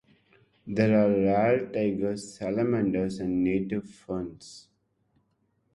There are rare tiger salamanders and native ferns.